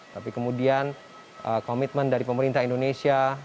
tapi kemudian komitmen dari pemerintah indonesia